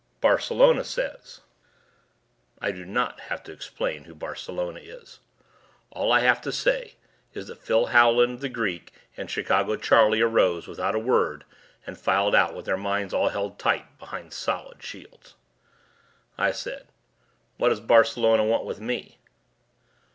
"Barcelona says." I do not have to explain who Barcelona is. All I have to say is that Phil Howland, The Greek, and Chicago Charlie arose without a word and filed out with their minds all held tight behind solid shields. I said, "What does Barcelona want with me?"